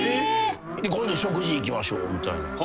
「今度食事行きましょう」みたいな。